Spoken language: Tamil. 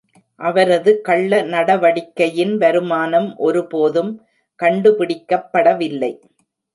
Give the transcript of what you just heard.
அவரது கள்ள நடவடிக்கையின் வருமானம் ஒருபோதும் கண்டுபிடிக்கப்படவில்லை.